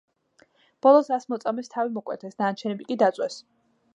ბოლოს ას მოწამეს თავი მოჰკვეთეს, დანარჩენები კი დაწვეს.